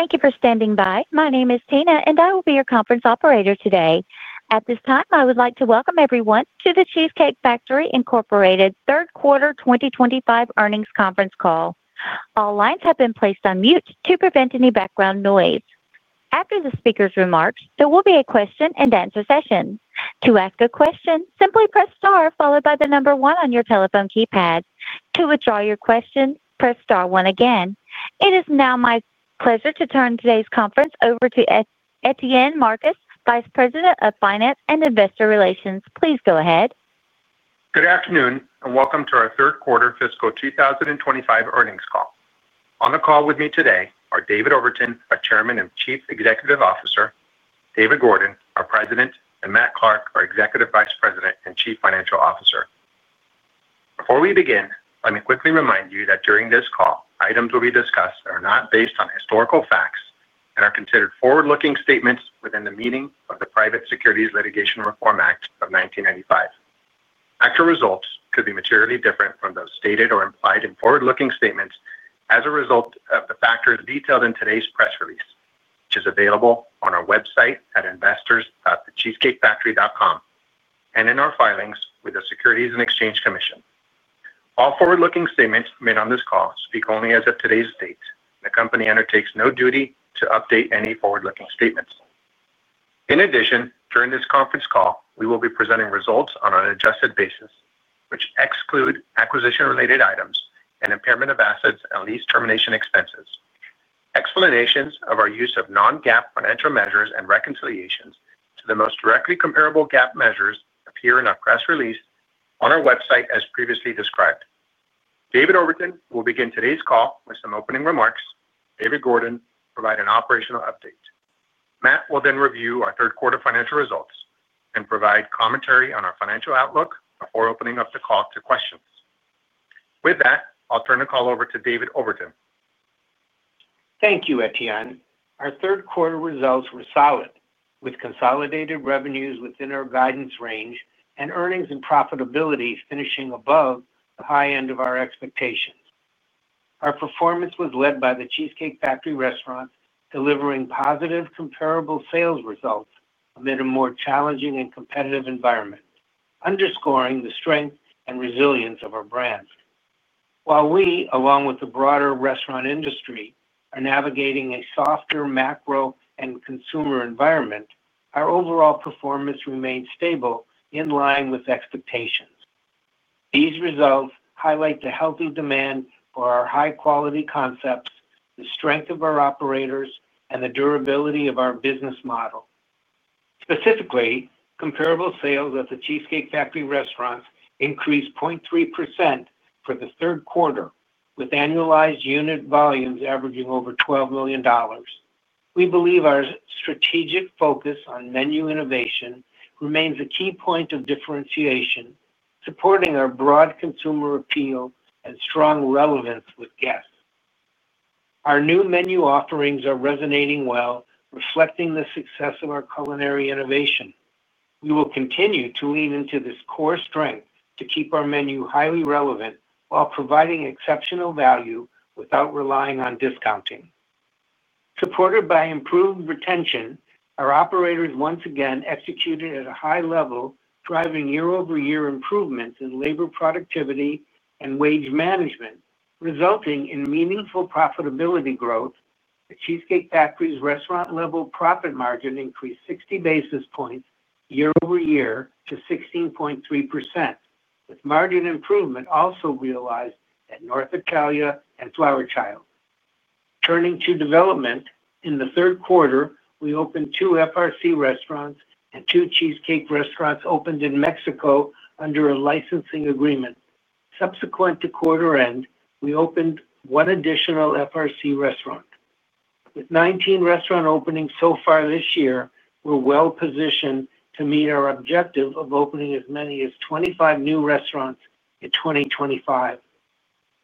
Thank you for standing by. My name is Tina, and I will be your conference operator today. At this time, I would like to welcome everyone to The Cheesecake Factory Incorporated third quarter 2025 earnings conference call. All lines have been placed on mute to prevent any background noise. After the speaker's remarks, there will be a question-and-answer session. To ask a question, simply press star followed by the number one on your telephone keypad. To withdraw your question, press star one again. It is now my pleasure to turn today's conference over to Etienne Marcus, Vice President of Finance and Investor Relations. Please go ahead. Good afternoon and welcome to our third quarter fiscal 2025 earnings call. On the call with me today are David Overton, our Chairman and Chief Executive Officer, David Gordon, our President, and Matt Clark, our Executive Vice President and Chief Financial Officer. Before we begin, let me quickly remind you that during this call, items will be discussed that are not based on historical facts and are considered forward-looking statements within the meaning of the Private Securities Litigation Reform Act of 1995. Actual results could be materially different from those stated or implied in forward-looking statements as a result of the factors detailed in today's press release, which is available on our website at investors.thecheesecakefactory.com and in our filings with the Securities and Exchange Commission. All forward-looking statements made on this call speak only as of today's date, and the company undertakes no duty to update any forward-looking statements. In addition, during this conference call, we will be presenting results on an adjusted basis, which exclude acquisition-related items, an impairment of assets, and lease termination expenses. Explanations of our use of non-GAAP financial measures and reconciliations to the most directly comparable GAAP measures appear in our press release on our website as previously described. David Overton will begin today's call with some opening remarks. David Gordon will provide an operational update. Matt will then review our third quarter financial results and provide commentary on our financial outlook before opening up the call to questions. With that, I'll turn the call over to David Overton. Thank you, Etienne. Our third quarter results were solid, with consolidated revenues within our guidance range and earnings and profitability finishing above the high end of our expectations. Our performance was led by The Cheesecake Factory restaurant delivering positive comparable sales results amid a more challenging and competitive environment, underscoring the strength and resilience of our brand. While we, along with the broader restaurant industry, are navigating a softer macro and consumer environment, our overall performance remains stable, in line with expectations. These results highlight the healthy demand for our high-quality concepts, the strength of our operators, and the durability of our business model. Specifically, comparable sales at The Cheesecake Factory restaurants increased 0.3% for the third quarter, with annualized unit volumes averaging over $12 million. We believe our strategic focus on menu innovation remains a key point of differentiation, supporting our broad consumer appeal and strong relevance with guests. Our new menu offerings are resonating well, reflecting the success of our culinary innovation. We will continue to lean into this core strength to keep our menu highly relevant while providing exceptional value without relying on discounting. Supported by improved retention, our operators once again executed at a high level, driving year-over-year improvements in labor productivity and wage management, resulting in meaningful profitability growth. The Cheesecake Factory's restaurant-level profit margin increased 60 basis points year-over-year to 16.3%, with margin improvement also realized at North Italia and Flower Child. Turning to development, in the third quarter, we opened two FRC restaurants and two Cheesecake restaurants opened in Mexico under a licensing agreement. Subsequent to quarter end, we opened one additional FRC restaurant. With 19 restaurants opening so far this year, we're well positioned to meet our objective of opening as many as 25 new restaurants in 2025.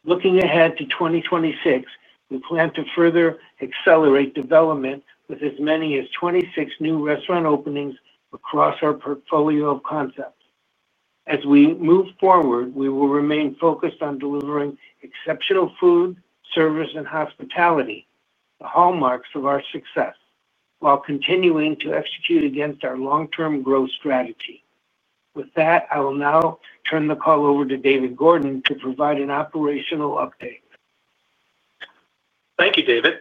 Looking ahead to 2026, we plan to further accelerate development with as many as 26 new restaurant openings across our portfolio of concepts. As we move forward, we will remain focused on delivering exceptional food, service, and hospitality, the hallmarks of our success, while continuing to execute against our long-term growth strategy. With that, I will now turn the call over to David Gordon to provide an operational update. Thank you, David.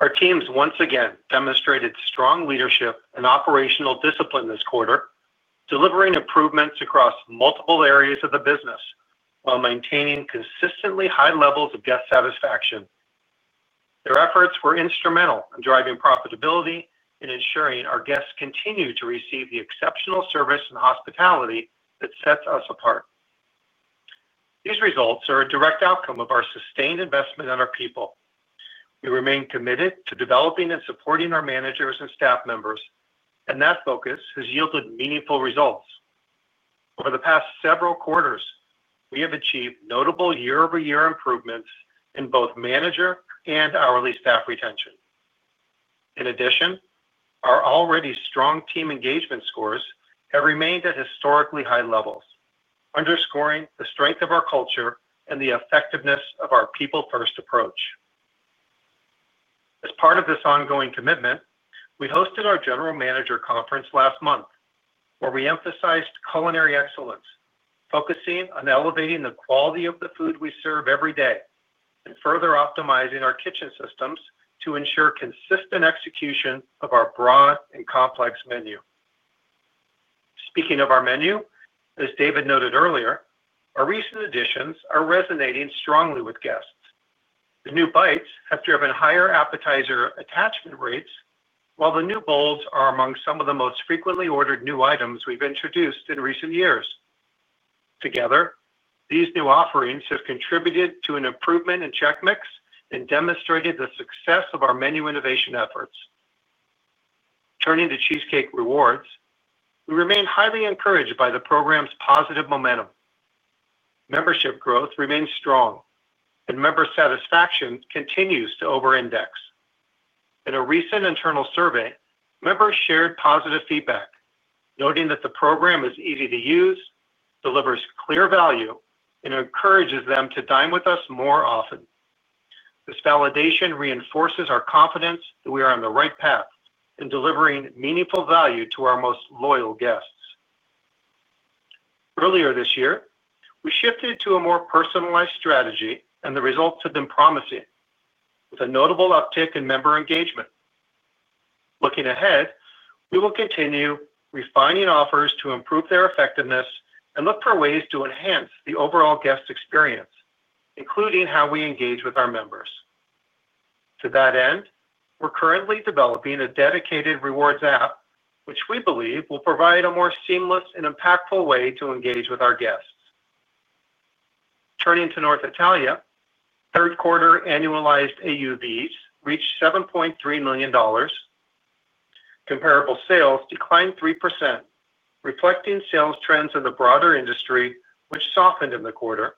Our teams once again demonstrated strong leadership and operational discipline this quarter, delivering improvements across multiple areas of the business while maintaining consistently high levels of guest satisfaction. Their efforts were instrumental in driving profitability and ensuring our guests continue to receive the exceptional service and hospitality that sets us apart. These results are a direct outcome of our sustained investment in our people. We remain committed to developing and supporting our managers and staff members, and that focus has yielded meaningful results. Over the past several quarters, we have achieved notable year-over-year improvements in both manager and hourly staff retention. In addition, our already strong team engagement scores have remained at historically high levels, underscoring the strength of our culture and the effectiveness of our people-first approach. As part of this ongoing commitment, we hosted our General Manager Conference last month, where we emphasized culinary excellence, focusing on elevating the quality of the food we serve every day and further optimizing our kitchen systems to ensure consistent execution of our broad and complex menu. Speaking of our menu, as David noted earlier, our recent additions are resonating strongly with guests. The new bites have driven higher appetizer attachment rates, while the new bowls are among some of the most frequently ordered new items we've introduced in recent years. Together, these new offerings have contributed to an improvement in check mix and demonstrated the success of our menu innovation efforts. Turning to Cheesecake Rewards, we remain highly encouraged by the program's positive momentum. Membership growth remains strong, and member satisfaction continues to over-index. In a recent internal survey, members shared positive feedback, noting that the program is easy to use, delivers clear value, and encourages them to dine with us more often. This validation reinforces our confidence that we are on the right path in delivering meaningful value to our most loyal guests. Earlier this year, we shifted to a more personalized strategy, and the results have been promising, with a notable uptick in member engagement. Looking ahead, we will continue refining offers to improve their effectiveness and look for ways to enhance the overall guest experience, including how we engage with our members. To that end, we're currently developing a dedicated rewards app, which we believe will provide a more seamless and impactful way to engage with our guests. Turning to North Italia, third quarter annualized AUVs reached $7.3 million. Comparable sales declined 3%, reflecting sales trends in the broader industry, which softened in the quarter,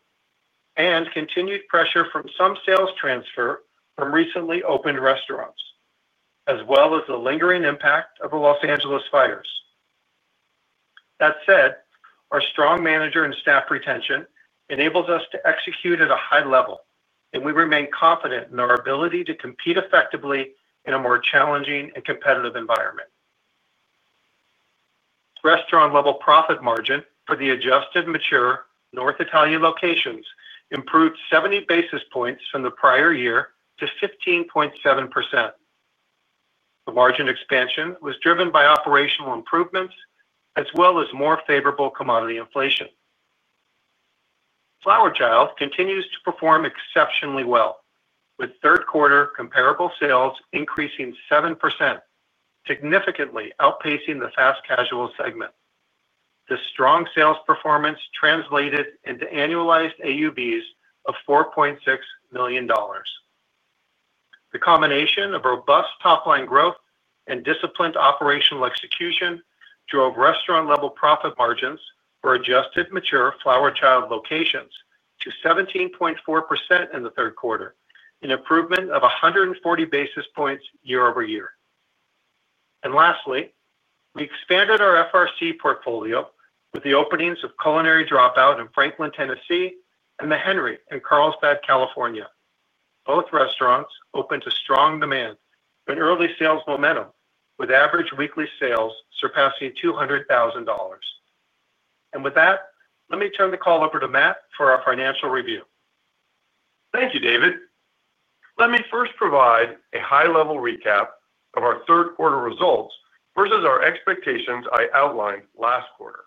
and continued pressure from some sales transfer from recently opened restaurants, as well as the lingering impact of the Los Angeles fires. That said, our strong manager and staff retention enables us to execute at a high level, and we remain confident in our ability to compete effectively in a more challenging and competitive environment. Restaurant-level profit margin for the adjusted mature North Italia locations improved 70 basis points from the prior year to 15.7%. The margin expansion was driven by operational improvements, as well as more favorable commodity inflation. Flower Child continues to perform exceptionally well, with third quarter comparable sales increasing 7%, significantly outpacing the fast casual segment. This strong sales performance translated into annualized AUVs of $4.6 million. The combination of robust top-line growth and disciplined operational execution drove restaurant-level profit margins for adjusted mature Flower Child locations to 17.4% in the third quarter, an improvement of 140 basis points year-over-year. Lastly, we expanded our FRC portfolio with the openings of Culinary Dropout in Franklin, Tennessee, and The Henry in Carlsbad, California. Both restaurants opened to strong demand and early sales momentum, with average weekly sales surpassing $200,000. With that, let me turn the call over to Matt for our financial review. Thank you, David. Let me first provide a high-level recap of our third quarter results versus our expectations I outlined last quarter.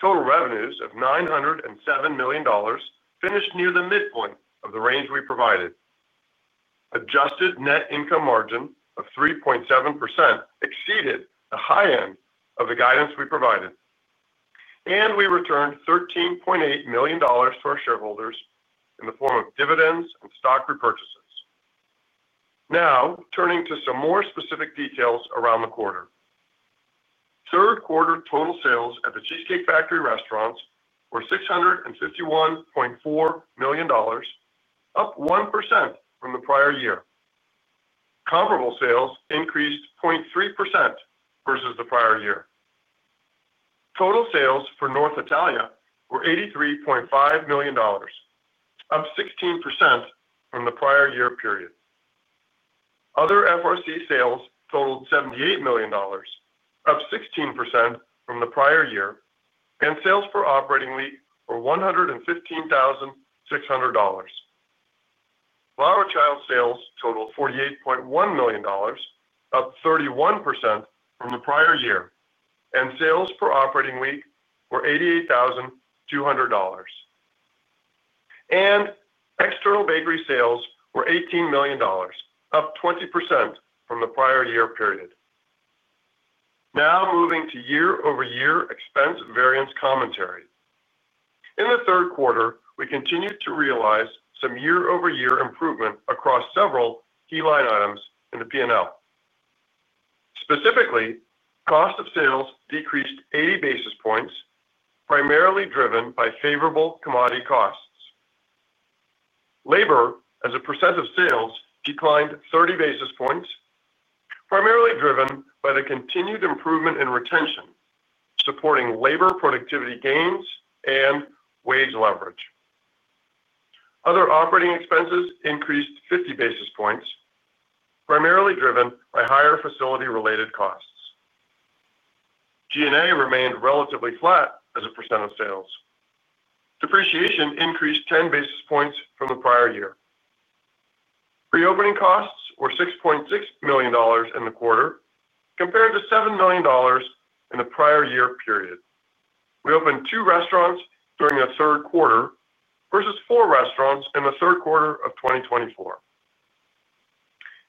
Total revenues of $907 million finished near the midpoint of the range we provided. Adjusted net income margin of 3.7% exceeded the high end of the guidance we provided, and we returned $13.8 million to our shareholders in the form of dividends and stock repurchases. Now, turning to some more specific details around the quarter. Third quarter total sales at The Cheesecake Factory restaurants were $651.4 million, up 1% from the prior year. Comparable sales increased 0.3% versus the prior year. Total sales for North Italia were $83.5 million, up 16% from the prior year period. Other FRC sales totaled $78 million, up 16% from the prior year, and sales per operating leaf were $115,600. Flower Child sales totaled $48.1 million, up 31% from the prior year, and sales per operating leaf were $88,200. External bakery sales were $18 million, up 20% from the prior year period. Now, moving to year-over-year expense variance commentary. In the third quarter, we continued to realize some year-over-year improvement across several key line items in the P&L. Specifically, cost of sales decreased 80 basis points, primarily driven by favorable commodity costs. Labor as a percent of sales declined 30 basis points, primarily driven by the continued improvement in retention, supporting labor productivity gains and wage leverage. Other operating expenses increased 50 basis points, primarily driven by higher facility-related costs. G&A remained relatively flat as a percent of sales. Depreciation increased 10 basis points from the prior year. Reopening costs were $6.6 million in the quarter, compared to $7 million in the prior year period. We opened two restaurants during the third quarter versus four restaurants in the third quarter of 2024.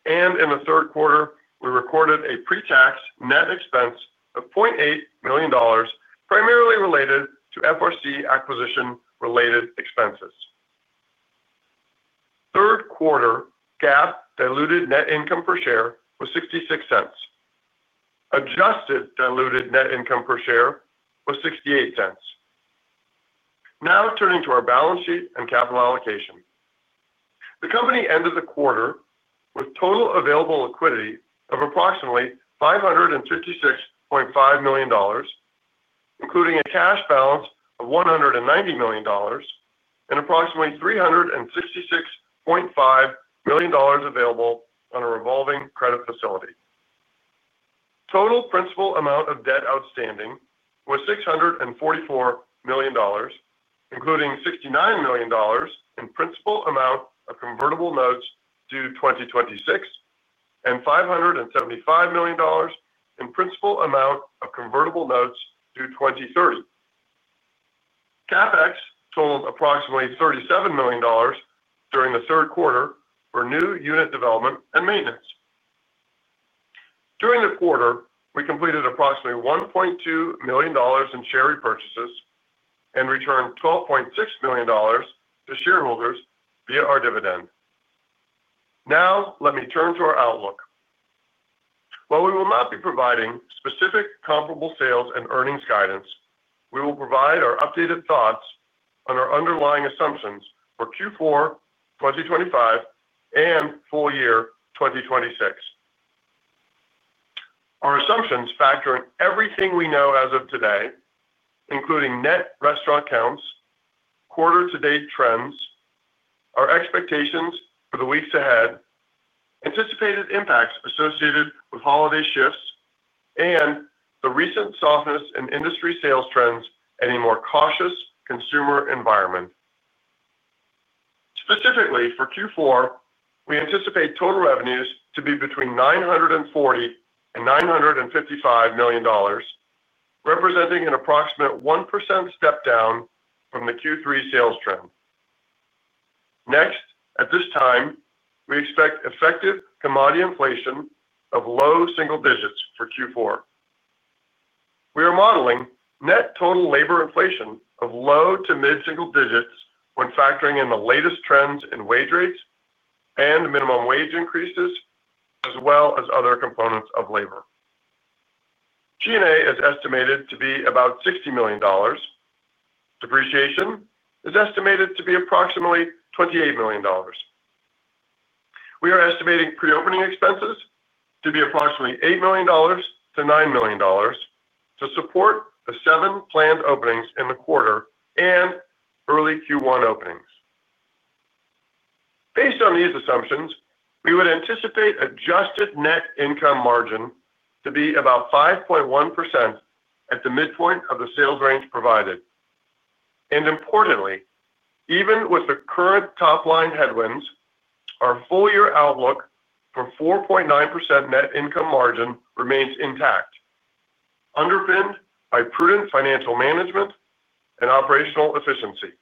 In the third quarter, we recorded a pre-tax net expense of $0.8 million, primarily related to FRC acquisition-related expenses. Third quarter GAAP diluted net income per share was $0.66. Adjusted diluted net income per share was $0.68. Now, turning to our balance sheet and capital allocation. The company ended the quarter with total available liquidity of approximately $556.5 million, including a cash balance of $190 million and approximately $366.5 million available on a revolving credit facility. Total principal amount of debt outstanding was $644 million, including $69 million in principal amount of convertible notes due 2026 and $575 million in principal amount of convertible notes due 2030. CapEx totaled approximately $37 million during the third quarter for new unit development and maintenance. During the quarter, we completed approximately $1.2 million in share repurchases and returned $12.6 million to shareholders via our dividend. Now, let me turn to our outlook. While we will not be providing specific comparable sales and earnings guidance, we will provide our updated thoughts on our underlying assumptions for Q4 2025 and full year 2026. Our assumptions factor in everything we know as of today, including net restaurant counts, quarter-to-date trends, our expectations for the weeks ahead, anticipated impacts associated with holiday shifts, and the recent softness in industry sales trends in a more cautious consumer environment. Specifically, for Q4, we anticipate total revenues to be between $940 million and $955 million, representing an approximate 1% step down from the Q3 sales trend. At this time, we expect effective commodity inflation of low single digits for Q4. We are modeling net total labor inflation of low to mid-single digits when factoring in the latest trends in wage rates and minimum wage increases, as well as other components of labor. G&A is estimated to be about $60 million. Depreciation is estimated to be approximately $28 million. We are estimating pre-opening expenses to be approximately $8 million-$9 million to support the seven planned openings in the quarter and early Q1 openings. Based on these assumptions, we would anticipate adjusted net income margin to be about 5.1% at the midpoint of the sales range provided. Importantly, even with the current top-line headwinds, our full-year outlook for 4.9% net income margin remains intact, underpinned by prudent financial management and operational efficiency.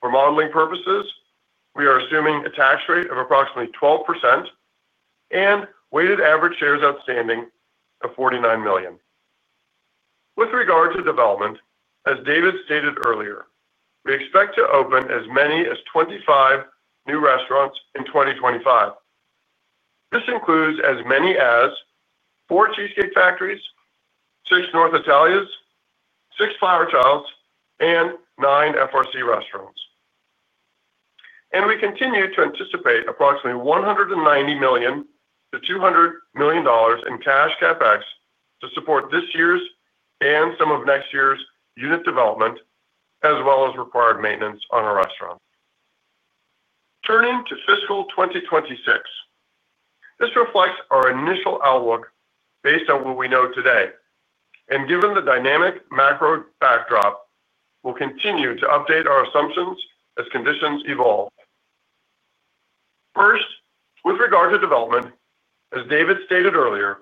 For modeling purposes, we are assuming a tax rate of approximately 12% and weighted average shares outstanding of 49 million. With regard to development, as David stated earlier, we expect to open as many as 25 new restaurants in 2025. This includes as many as four Cheesecake Factories, six North Italias, six Flower Childs, and nine FRC restaurants. We continue to anticipate approximately $190 million-$200 million in cash CapEx to support this year's and some of next year's unit development, as well as required maintenance on our restaurants. Turning to fiscal 2026, this reflects our initial outlook based on what we know today. Given the dynamic macro backdrop, we will continue to update our assumptions as conditions evolve. With regard to development, as David stated earlier,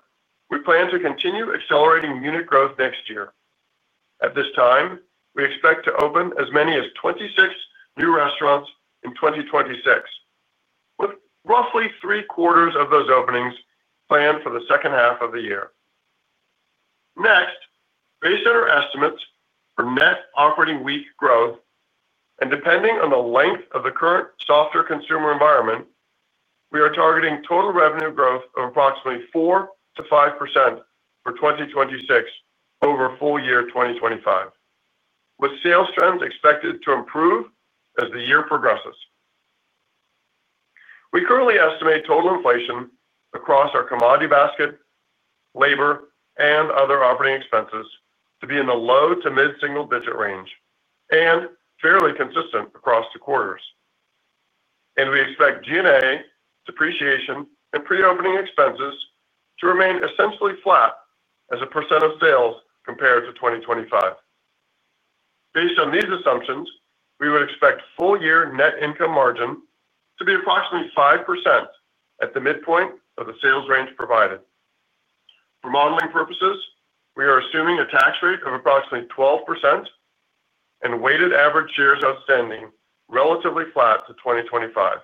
we plan to continue accelerating unit growth next year. At this time, we expect to open as many as 26 new restaurants in 2026, with roughly three quarters of those openings planned for the second half of the year. Next, based on our estimates for net operating week growth and depending on the length of the current softer consumer environment, we are targeting total revenue growth of approximately 4%-5% for 2026 over full year 2025, with sales trends expected to improve as the year progresses. We currently estimate total inflation across our commodity basket, labor, and other operating expenses to be in the low to mid-single digit range and fairly consistent across the quarters. We expect G&A, depreciation, and pre-opening expenses to remain essentially flat as a percent of sales compared to 2025. Based on these assumptions, we would expect full-year net income margin to be approximately 5% at the midpoint of the sales range provided. For modeling purposes, we are assuming a tax rate of approximately 12% and weighted average shares outstanding relatively flat to 2025.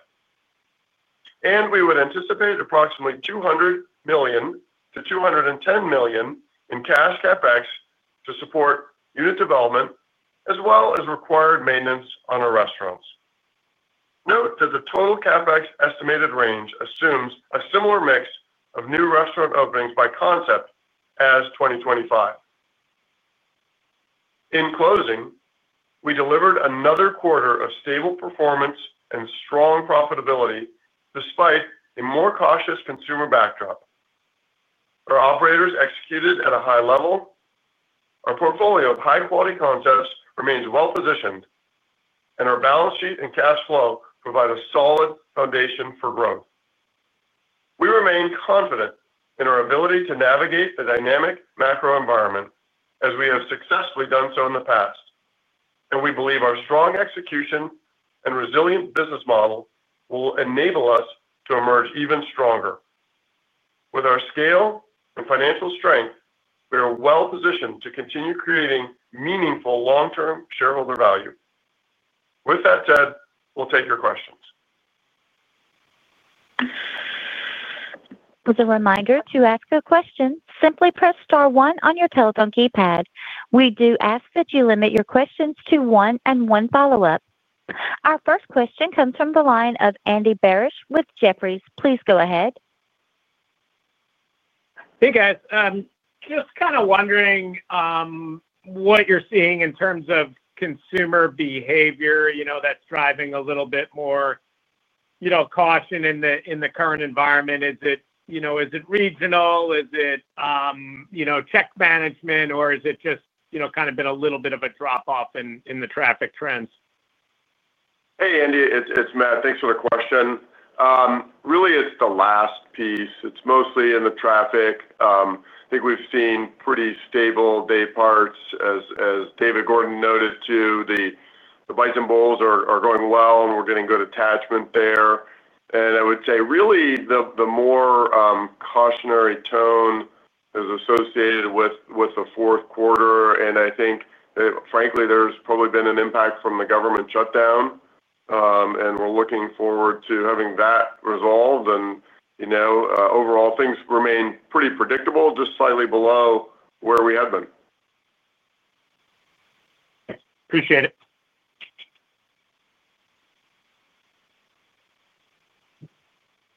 We would anticipate approximately $200 million-$210 million in cash CapEx to support unit development, as well as required maintenance on our restaurants. Note that the total CapEx estimated range assumes a similar mix of new restaurant openings by concept as 2025. In closing, we delivered another quarter of stable performance and strong profitability despite a more cautious consumer backdrop. Our operators executed at a high level, our portfolio of high-quality concepts remains well positioned, and our balance sheet and cash flow provide a solid foundation for growth. We remain confident in our ability to navigate the dynamic macro environment, as we have successfully done so in the past. We believe our strong execution and resilient business model will enable us to emerge even stronger. With our scale and financial strength, we are well positioned to continue creating meaningful long-term shareholder value. With that said, we'll take your questions. As a reminder to ask a question, simply press star one on your telephone keypad. We do ask that you limit your questions to one and one follow-up. Our first question comes from the line of Andy Barish with Jefferies. Please go ahead. Hey, guys. Just kind of wondering what you're seeing in terms of consumer behavior that's driving a little bit more caution in the current environment. Is it regional? Is it check management, or has it just been a little bit of a drop-off in the traffic trends? Hey, Andy. It's Matt. Thanks for the question. Really, it's the last piece. It's mostly in the traffic. I think we've seen pretty stable day parts. As David Gordon noted, too, the bites and bowls are going well, and we're getting good attachment there. I would say really the more cautionary tone is associated with the fourth quarter. I think, frankly, there's probably been an impact from the government shutdown. We're looking forward to having that resolved. Overall, things remain pretty predictable, just slightly below where we have been. Appreciate it.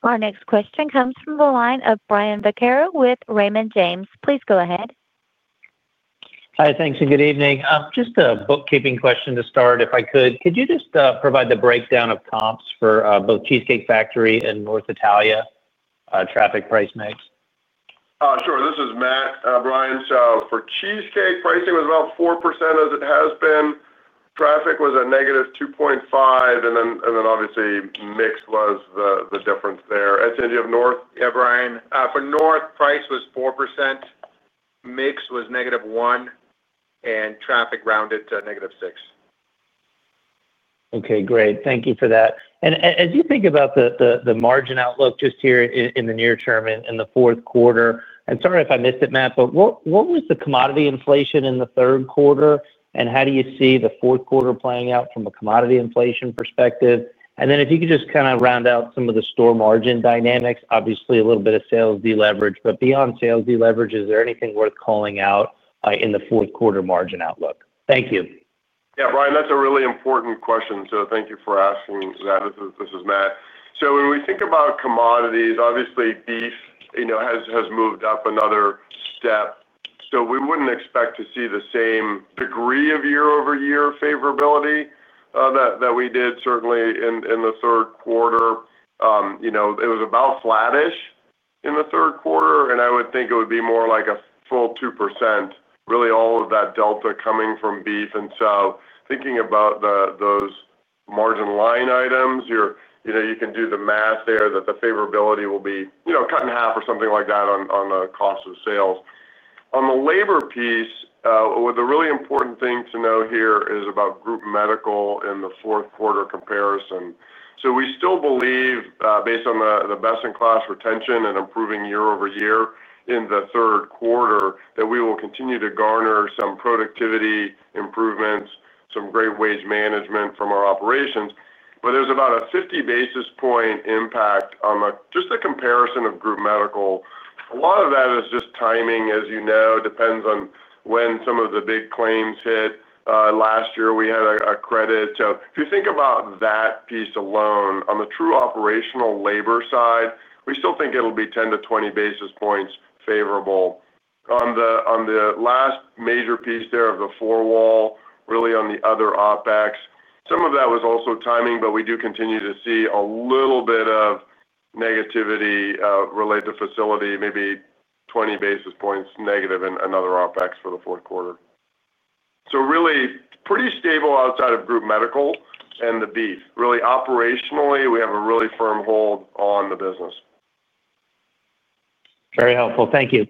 Our next question comes from the line of Brian Vaccaro with Raymond James. Please go ahead. Hi. Thanks, and good evening. Just a bookkeeping question to start. If I could, could you just provide the breakdown of comps for both The Cheesecake Factory and North Italia, traffic, price, mix? Oh, sure. This is Matt, Brian. For Cheesecake, pricing was about 4% as it has been. Traffic was a -2.5%, and obviously, mix was the difference there. Etienne, do you have North? Yeah, Brian. For North Italia, price was 4%, mix was -1%, and traffic rounded to -6%. Okay. Great. Thank you for that. As you think about the margin outlook just here in the near term in the fourth quarter, and sorry if I missed it, Matt, but what was the commodity inflation in the third quarter, and how do you see the fourth quarter playing out from a commodity inflation perspective? If you could just kind of round out some of the store margin dynamics, obviously, a little bit of sales deleverage, but beyond sales deleverage, is there anything worth calling out in the fourth quarter margin outlook? Thank you. Yeah, Brian, that's a really important question, so thank you for asking that. This is Matt. When we think about commodities, obviously, beef has moved up another step. We wouldn't expect to see the same degree of year-over-year favorability that we did certainly in the third quarter. It was about flattish in the third quarter, and I would think it would be more like a full 2%, really all of that delta coming from beef. Thinking about those margin line items, you can do the math there that the favorability will be cut in half or something like that on the cost of sales. On the labor piece, the really important thing to know here is about group medical in the fourth quarter comparison. We still believe, based on the best-in-class retention and improving year-over-year in the third quarter, that we will continue to garner some productivity improvements, some great wage management from our operations. There's about a 50 basis point impact on just the comparison of group medical. A lot of that is just timing, as you know, depends on when some of the big claims hit. Last year, we had a credit. If you think about that piece alone, on the true operational labor side, we still think it'll be 10 basis points-20 basis points favorable. On the last major piece there of the four wall, really on the other OpEx, some of that was also timing, but we do continue to see a little bit of negativity related to facility, maybe 20 basis points negative in another OpEx for the fourth quarter. Really pretty stable outside of group medical and the beef. Operationally, we have a really firm hold on the business. Very helpful. Thank you.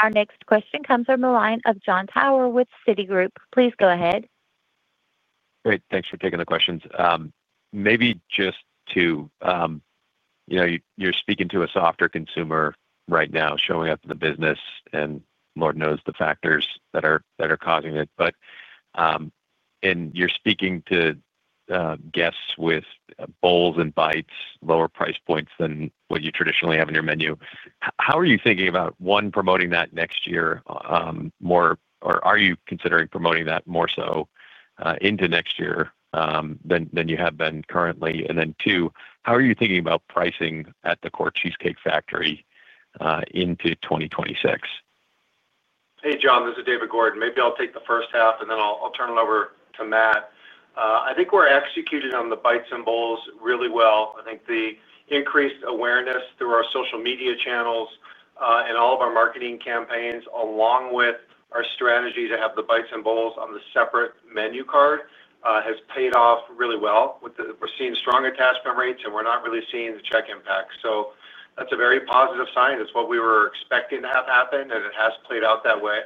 Our next question comes from the line of Jon Tower with Citigroup. Please go ahead. Great. Thanks for taking the questions. You're speaking to a softer consumer right now showing up in the business, and Lord knows the factors that are causing it. You're speaking to guests with bowls and bites, lower price points than what you traditionally have in your menu. How are you thinking about, one, promoting that next year, or are you considering promoting that more so into next year than you have been currently? Two, how are you thinking about pricing at the core Cheesecake Factory into 2026? Hey, Jon. This is David Gordon. Maybe I'll take the first half, and then I'll turn it over to Matt. I think we're executing on the bites and bowls really well. I think the increased awareness through our social media channels, and all of our marketing campaigns, along with our strategy to have the bites and bowls on the separate menu card, has paid off really well. We're seeing strong attachment rates, and we're not really seeing the check impact. That's a very positive sign. It's what we were expecting to have happen, and it has played out that way.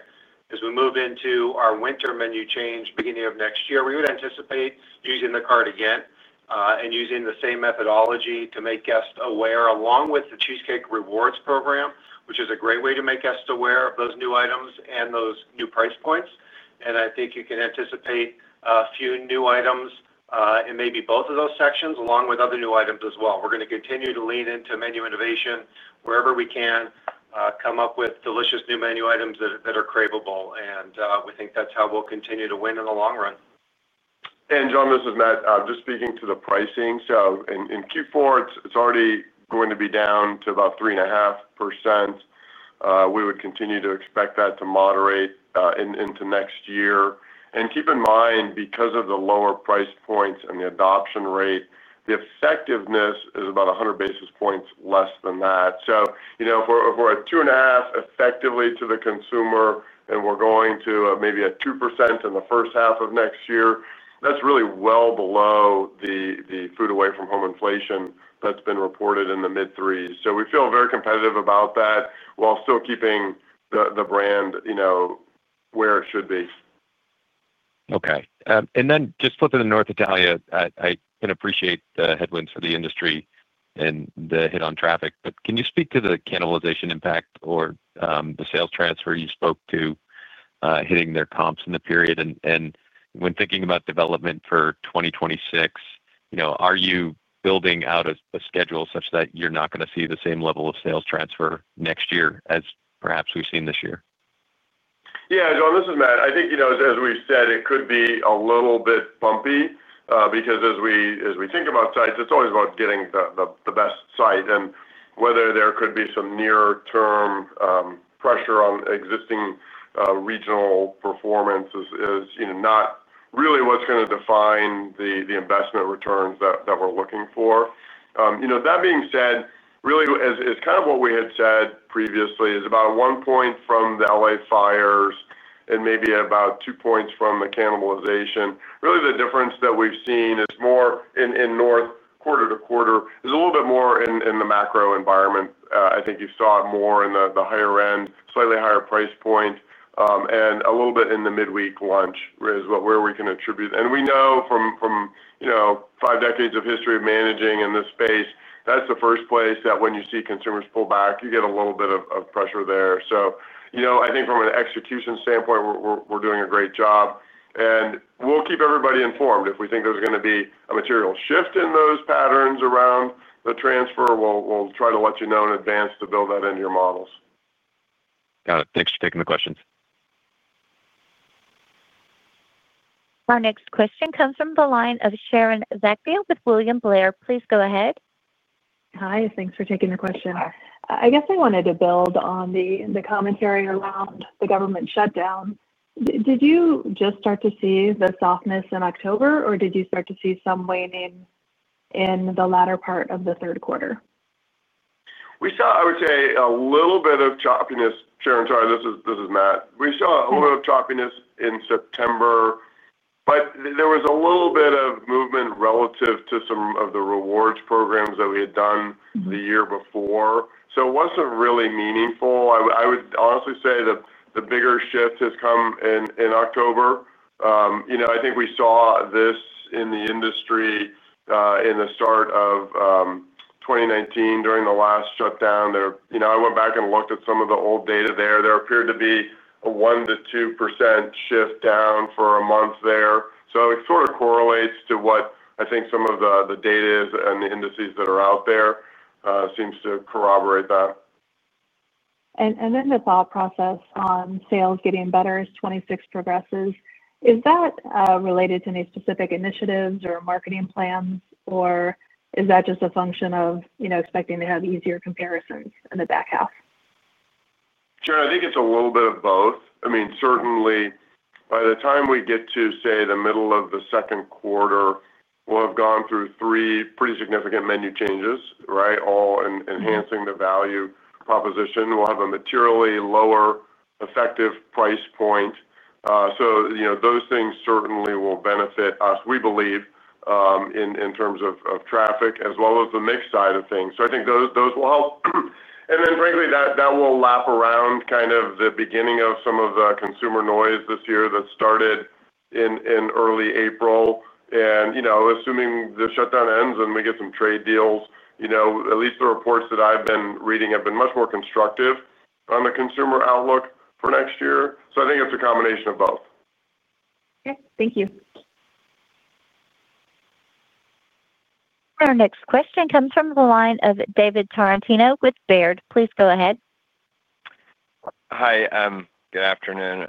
As we move into our winter menu change beginning of next year, we would anticipate using the card again, and using the same methodology to make guests aware, along with the Cheesecake Rewards program, which is a great way to make guests aware of those new items and those new price points. I think you can anticipate a few new items, in maybe both of those sections, along with other new items as well. We're going to continue to lean into menu innovation wherever we can, come up with delicious new menu items that are craveable. We think that's how we'll continue to win in the long run. Jon, this is Matt. Just speaking to the pricing. In Q4, it's already going to be down to about 3.5%. We would continue to expect that to moderate into next year. Keep in mind, because of the lower price points and the adoption rate, the effectiveness is about 100 basis points less than that. If we're at 2.5% effectively to the consumer and we're going to maybe 2% in the first half of next year, that's really well below the food away from home inflation that's been reported in the mid-threes. We feel very competitive about that while still keeping the brand where it should be. Okay. And then just flipping to North Italia, I can appreciate the headwinds for the industry and the hit on traffic. Can you speak to the cannibalization impact or the sales transfer you spoke to, hitting their comps in the period? When thinking about development for 2026, are you building out a schedule such that you're not going to see the same level of sales transfer next year as perhaps we've seen this year? Yeah, Jon. This is Matt. I think, as we've said, it could be a little bit bumpy, because as we think about sites, it's always about getting the best site. Whether there could be some near-term pressure on existing regional performance is not really what's going to define the investment returns that we're looking for. That being said, really, as kind of what we had said previously, is about 1 point from the LA fires and maybe about 2 points from the cannibalization. Really, the difference that we've seen is more in north quarter to quarter, is a little bit more in the macro environment. I think you saw it more in the higher end, slightly higher price point, and a little bit in the midweek lunch is where we can attribute. We know from five decades of history of managing in this space, that's the first place that when you see consumers pull back, you get a little bit of pressure there. I think from an execution standpoint, we're doing a great job. We'll keep everybody informed. If we think there's going to be a material shift in those patterns around the transfer, we'll try to let you know in advance to build that into your models. Got it. Thanks for taking the questions. Our next question comes from the line of Sharon Zackfia with William Blair. Please go ahead. Hi. Thanks for taking the question. I guess I wanted to build on the commentary around the government shutdown. Did you just start to see the softness in October, or did you start to see some waning in the latter part of the third quarter? We saw, I would say, a little bit of choppiness. Sharon, sorry. This is Matt. We saw a little bit of choppiness in September, but there was a little bit of movement relative to some of the rewards programs that we had done the year before. It wasn't really meaningful. I would honestly say that the bigger shift has come in October. I think we saw this in the industry, in the start of 2019 during the last shutdown. I went back and looked at some of the old data there. There appeared to be a 1%-2% shift down for a month there. It sort of correlates to what I think some of the data is and the indices that are out there, seems to corroborate that. The thought process on sales getting better as 2026 progresses, is that related to any specific initiatives or marketing plans, or is that just a function of expecting to have easier comparisons in the back half? Sure. I think it's a little bit of both. I mean, certainly, by the time we get to, say, the middle of the second quarter, we'll have gone through three pretty significant menu changes, all enhancing the value proposition. We'll have a materially lower effective price point. Those things certainly will benefit us, we believe, in terms of traffic, as well as the mix side of things. I think those will help. Frankly, that will lap around the beginning of some of the consumer noise this year that started in early April. Assuming the shutdown ends and we get some trade deals, at least the reports that I've been reading have been much more constructive on the consumer outlook for next year. I think it's a combination of both. Okay, thank you. Our next question comes from the line of David Tarantino with Baird. Please go ahead. Hi. Good afternoon.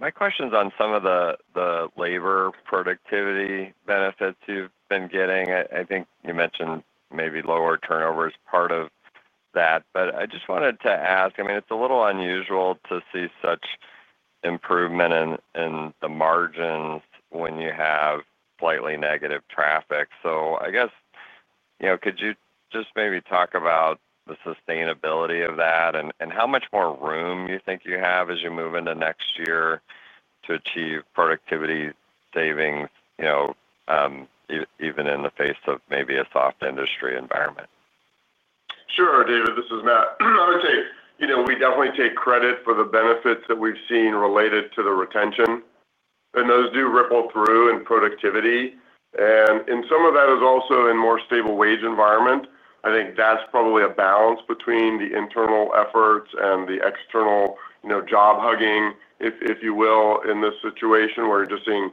My question's on some of the labor productivity benefits you've been getting. I think you mentioned maybe lower turnover is part of that. I just wanted to ask, I mean, it's a little unusual to see such improvement in the margins when you have slightly negative traffic. I guess, could you just maybe talk about the sustainability of that and how much more room you think you have as you move into next year to achieve productivity savings, even in the face of maybe a soft industry environment? Sure. David, this is Matt. I would say we definitely take credit for the benefits that we've seen related to the retention. Those do ripple through in productivity, and some of that is also in a more stable wage environment. I think that's probably a balance between the internal efforts and the external, you know, job hugging, if you will, in this situation where you're just seeing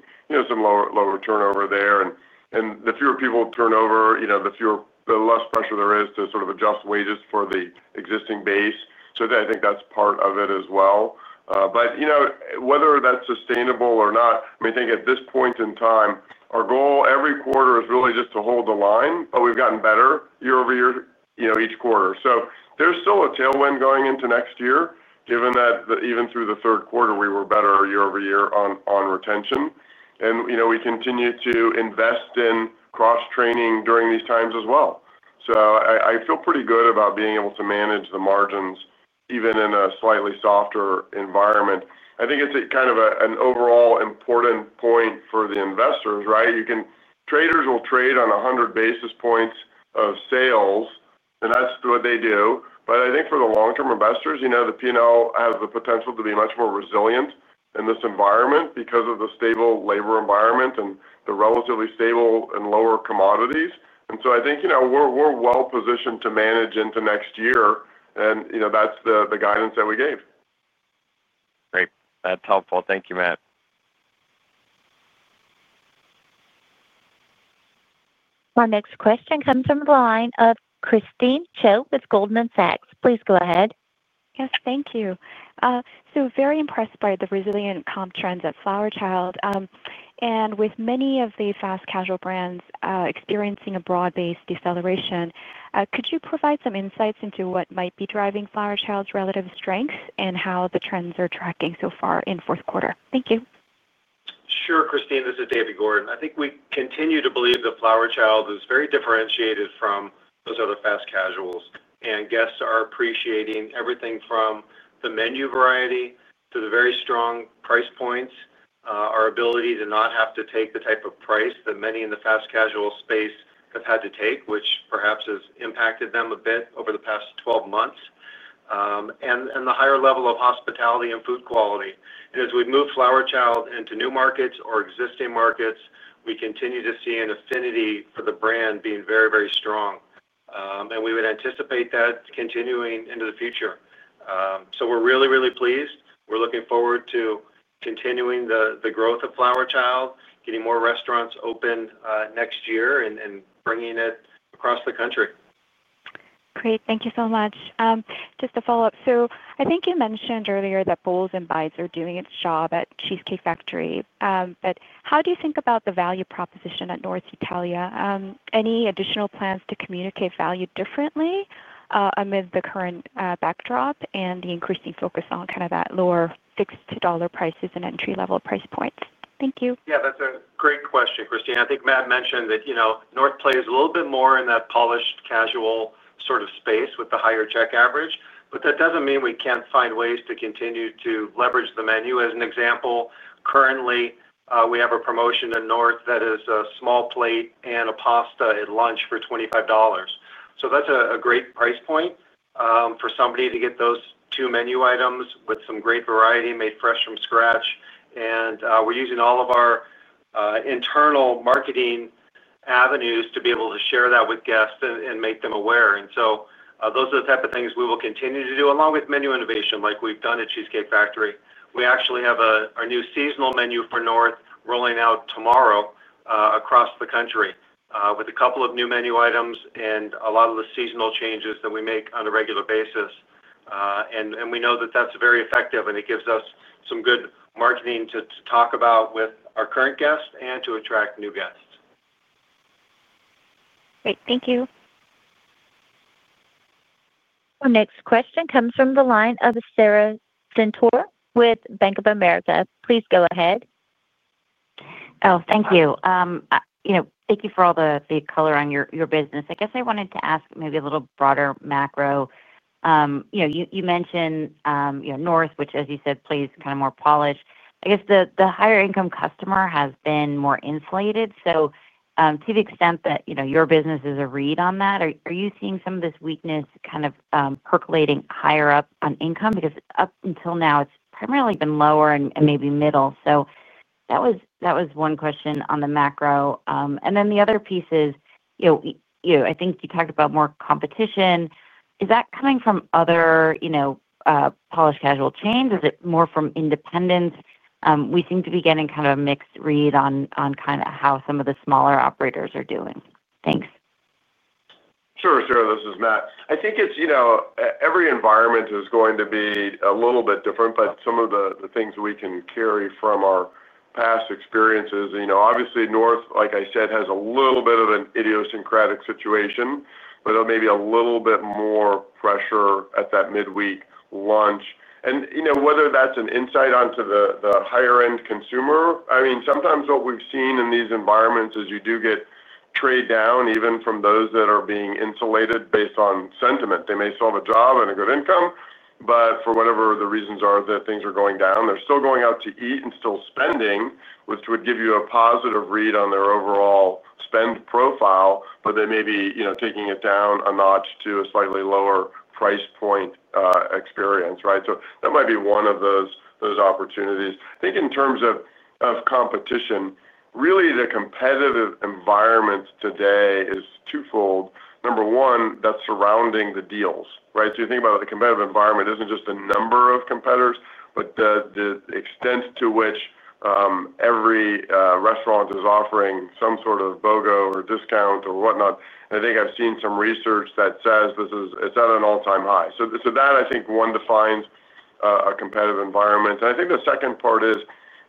some lower turnover there. The fewer people turnover, the less pressure there is to sort of adjust wages for the existing base. I think that's part of it as well. Whether that's sustainable or not, I think at this point in time, our goal every quarter is really just to hold the line, but we've gotten better year-over-year each quarter. There's still a tailwind going into next year, given that even through the third quarter, we were better year-over-year on retention. We continue to invest in cross-training during these times as well. I feel pretty good about being able to manage the margins even in a slightly softer environment. I think it's a kind of an overall important point for the investors, right? Traders will trade on 100 basis points of sales, and that's what they do. I think for the long-term investors, the P&L has the potential to be much more resilient in this environment because of the stable labor environment and the relatively stable and lower commodities. I think we're well positioned to manage into next year, and that's the guidance that we gave. Great. That's helpful. Thank you, Matt. Our next question comes from the line of Christine Cho with Goldman Sachs. Please go ahead. Yes. Thank you. Very impressed by the resilient comp trends at Flower Child. With many of the fast casual brands experiencing a broad-based deceleration, could you provide some insights into what might be driving Flower Child's relative strength and how the trends are tracking so far in fourth quarter? Thank you. Sure, Christine. This is David Gordon. I think we continue to believe that Flower Child is very differentiated from those other fast casuals. Guests are appreciating everything from the menu variety to the very strong price points, our ability to not have to take the type of price that many in the fast casual space have had to take, which perhaps has impacted them a bit over the past 12 months, and the higher level of hospitality and food quality. As we move Flower Child into new markets or existing markets, we continue to see an affinity for the brand being very, very strong. We would anticipate that continuing into the future. We're really, really pleased. We're looking forward to continuing the growth of Flower Child, getting more restaurants open next year, and bringing it across the country. Great. Thank you so much. Just a follow-up. I think you mentioned earlier that bowls and bites are doing its job at The Cheesecake Factory, but how do you think about the value proposition at North Italia? Any additional plans to communicate value differently, amid the current backdrop and the increasing focus on kind of that lower fixed-to-dollar prices and entry-level price points? Thank you. Yeah. That's a great question, Christine. I think Matt mentioned that, you know, North plays a little bit more in that polished casual sort of space with the higher check average. That doesn't mean we can't find ways to continue to leverage the menu. As an example, currently, we have a promotion in North that is a small plate and a pasta at lunch for $25. That's a great price point for somebody to get those two menu items with some great variety made fresh from scratch. We're using all of our internal marketing avenues to be able to share that with guests and make them aware. Those are the type of things we will continue to do, along with menu innovation like we've done at The Cheesecake Factory. We actually have our new seasonal menu for North rolling out tomorrow across the country, with a couple of new menu items and a lot of the seasonal changes that we make on a regular basis. We know that that's very effective, and it gives us some good marketing to talk about with our current guests and to attract new guests. Great, thank you. Our next question comes from the line of [Sara Senatore] with Bank of America. Please go ahead. Thank you for all the color on your business. I wanted to ask maybe a little broader macro. You mentioned North Italia, which, as you said, plays kind of more polished. I guess the higher-income customer has been more insulated. To the extent that your business is a read on that, are you seeing some of this weakness percolating higher up on income? Because up until now, it's primarily been lower and maybe middle. That was one question on the macro. The other piece is, I think you talked about more competition. Is that coming from other polished casual chains? Is it more from independents? We seem to be getting kind of a mixed read on how some of the smaller operators are doing. Thanks. Sure, Sara. This is Matt. I think it's, you know, every environment is going to be a little bit different, but some of the things we can carry from our past experiences. Obviously, North, like I said, has a little bit of an idiosyncratic situation with maybe a little bit more pressure at that midweek lunch. Whether that's an insight onto the higher-end consumer, I mean, sometimes what we've seen in these environments is you do get trade down even from those that are being insulated based on sentiment. They may still have a job and a good income, but for whatever the reasons are that things are going down, they're still going out to eat and still spending, which would give you a positive read on their overall spend profile. They may be taking it down a notch to a slightly lower price point, experience, right? That might be one of those opportunities. I think in terms of competition, really, the competitive environment today is twofold. Number one, that's surrounding the deals, right? You think about the competitive environment. It isn't just the number of competitors, but the extent to which every restaurant is offering some sort of BOGO or discount or whatnot. I think I've seen some research that says this is at an all-time high. That, I think, defines a competitive environment. I think the second part is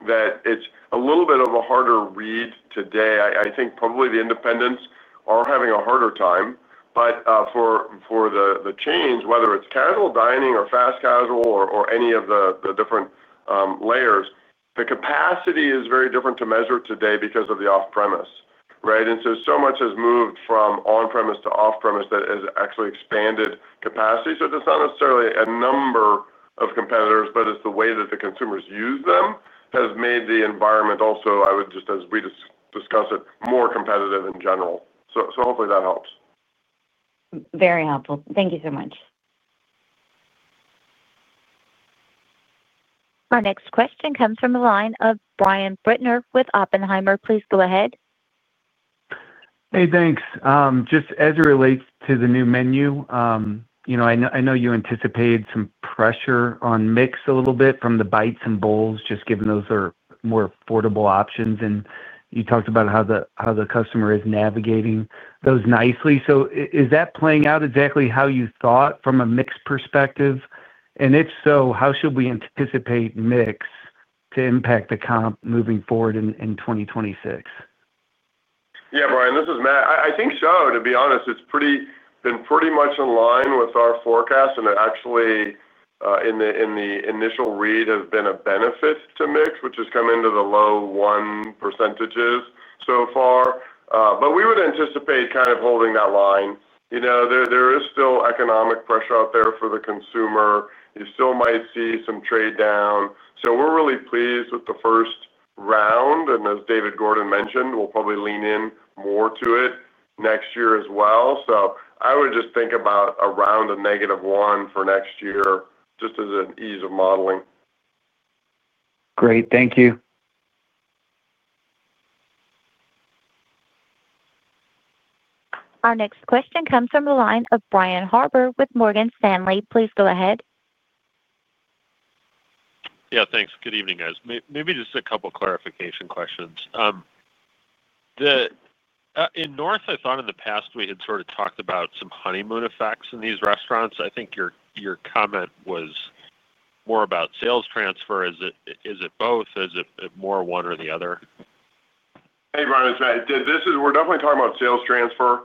that it's a little bit of a harder read today. I think probably the independents are having a harder time. For the chains, whether it's casual dining or fast casual or any of the different layers, the capacity is very different to measure today because of the off-premise, right? So much has moved from on-premise to off-premise that has actually expanded capacity. It's not necessarily a number of competitors, but it's the way that the consumers use them has made the environment also, I would just as we discuss it, more competitive in general. Hopefully, that helps. Very helpful. Thank you so much. Our next question comes from the line of Brian Bittner with Oppenheimer. Please go ahead. Hey, thanks. Just as it relates to the new menu, I know you anticipated some pressure on mix a little bit from the bites and bowls, just given those are more affordable options. You talked about how the customer is navigating those nicely. Is that playing out exactly how you thought from a mix perspective? If so, how should we anticipate mix to impact the comp moving forward in 2026? Yeah, Brian. This is Matt. I think so. To be honest, it's been pretty much in line with our forecast. It actually, in the initial read, has been a benefit to mix, which has come into the low 1% so far. We would anticipate kind of holding that line. There is still economic pressure out there for the consumer. You still might see some trade down. We're really pleased with the first round. As David Gordon mentioned, we'll probably lean in more to it next year as well. I would just think about around a negative 1% for next year just as an ease of modeling. Great. Thank you. Our next question comes from the line of Brian Harbour with Morgan Stanley. Please go ahead. Yeah. Thanks. Good evening, guys. Maybe just a couple of clarification questions. In North, I thought in the past we had sort of talked about some honeymoon effects in these restaurants. I think your comment was more about sales transfer. Is it both? Is it more one or the other? Hey, Brian. We're definitely talking about sales transfer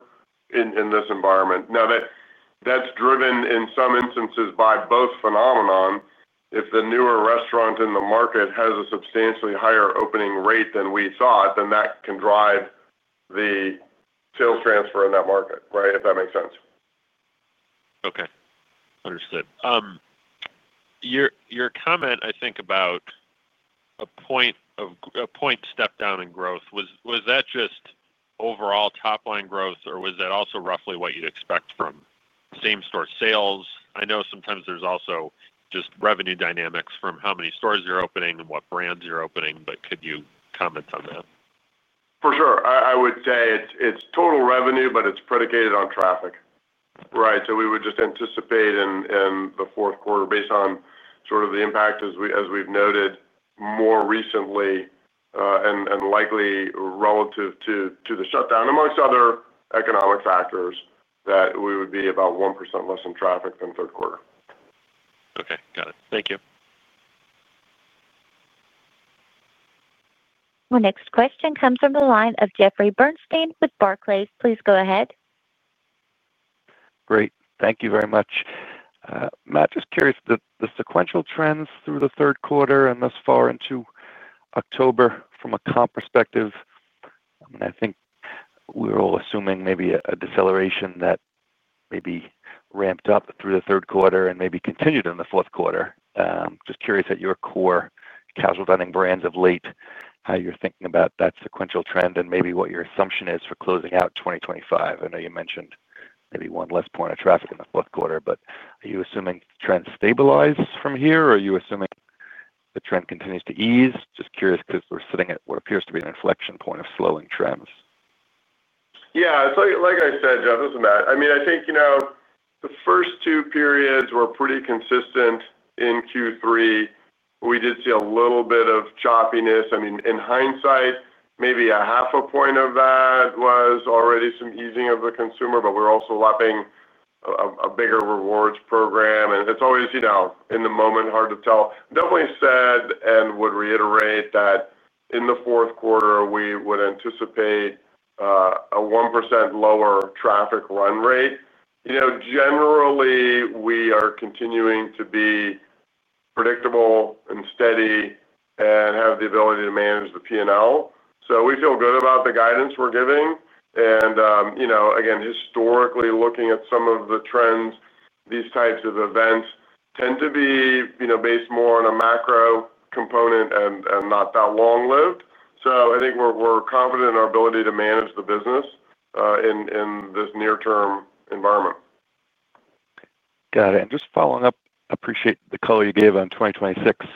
in this environment. That's driven in some instances by both phenomenon. If the newer restaurant in the market has a substantially higher opening rate than we thought, that can drive the sales transfer in that market, right, if that makes sense. Okay. Understood. Your comment, I think, about a point of a point step down in growth, was that just overall top-line growth, or was that also roughly what you'd expect from same-store sales? I know sometimes there's also just revenue dynamics from how many stores you're opening and what brands you're opening, but could you comment on that? For sure. I would say it's total revenue, but it's predicated on traffic, right? We would just anticipate in the fourth quarter, based on sort of the impact, as we've noted more recently, and likely relative to the shutdown, amongst other economic factors, that we would be about 1% less in traffic than third quarter. Okay. Got it. Thank you. Our next question comes from the line of Jeffrey Bernstein with Barclays. Please go ahead. Great. Thank you very much. Matt, just curious, the sequential trends through the third quarter and thus far into October from a comp perspective, I mean, I think we're all assuming maybe a deceleration that maybe ramped up through the third quarter and maybe continued in the fourth quarter. Just curious at your core casual dining brands of late, how you're thinking about that sequential trend and maybe what your assumption is for closing out 2025. I know you mentioned maybe one less point of traffic in the fourth quarter, but are you assuming trends stabilize from here, or are you assuming the trend continues to ease? Just curious because we're sitting at what appears to be an inflection point of slowing trends. Yeah. Like I said, Jeff, this is Matt. I think the first two periods were pretty consistent in Q3. We did see a little bit of choppiness. In hindsight, maybe a half a point of that was already some easing of the consumer, but we're also lapping a bigger rewards program. It's always, in the moment, hard to tell. I'm definitely sad and would reiterate that in the fourth quarter, we would anticipate a 1% lower traffic run rate. Generally, we are continuing to be predictable and steady and have the ability to manage the P&L. We feel good about the guidance we're giving. Again, historically, looking at some of the trends, these types of events tend to be based more on a macro component and not that long-lived. I think we're confident in our ability to manage the business in this near-term environment. Got it. Just following up, I appreciate the color you gave on 2026.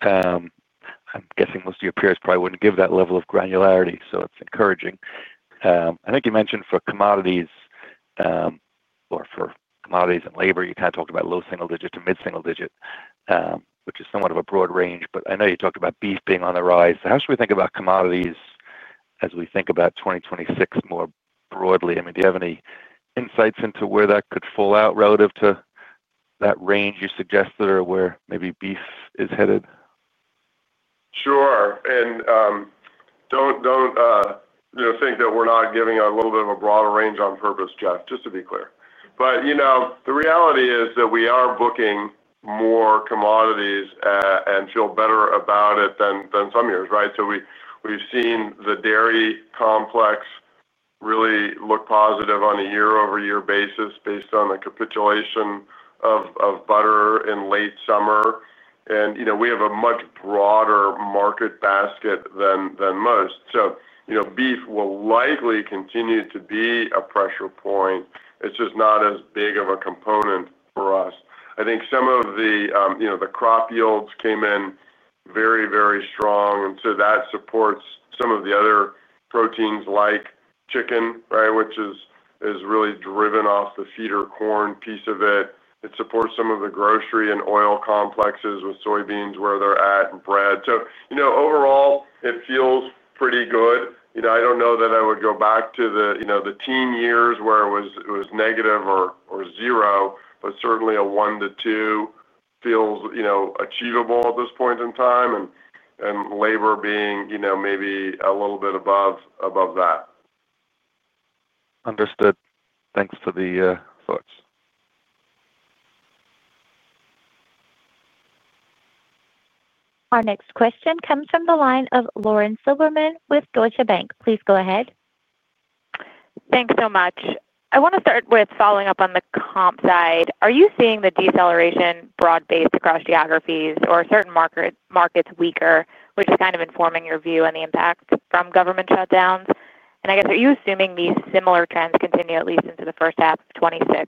I'm guessing most of your peers probably wouldn't give that level of granularity, so it's encouraging. I think you mentioned for commodities, or for commodities and labor, you kind of talked about low single digit to mid-single digit, which is somewhat of a broad range. I know you talked about beef being on the rise. How should we think about commodities as we think about 2026 more broadly? I mean, do you have any insights into where that could fall out relative to that range you suggested or where maybe beef is headed? Sure. Don't think that we're not giving a little bit of a broader range on purpose, Jeff, just to be clear. The reality is that we are booking more commodities and feel better about it than some years, right? We've seen the dairy complex really look positive on a year-over-year basis based on the capitulation of butter in late summer. We have a much broader market basket than most. Beef will likely continue to be a pressure point. It's just not as big of a component for us. I think some of the crop yields came in very, very strong, and that supports some of the other proteins like chicken, which is really driven off the feeder corn piece of it. It supports some of the grocery and oil complexes with soybeans where they're at and bread. Overall, it feels pretty good. I don't know that I would go back to the teen years where it was negative or zero, but certainly a 1%-2% feels achievable at this point in time, and labor being maybe a little bit above that. Understood. Thanks for the thoughts. Our next question comes from the line of Lauren Silberman with Deutsche Bank. Please go ahead. Thanks so much. I want to start with following up on the comp side. Are you seeing the deceleration broad-based across geographies, or are certain markets weaker, which is kind of informing your view on the impact from government shutdowns? I guess, are you assuming these similar trends continue at least into the first half of 2026?